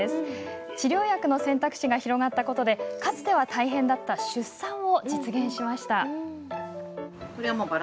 治療薬の選択肢が広がったことでかつては大変だった出産を実現しました。